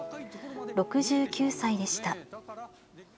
６９歳でした。